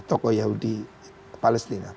tokoh yahudi palestina